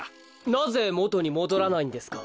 なぜもとにもどらないんですか？